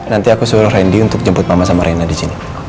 nanti aku suruh randy untuk jemput mama sama reina disini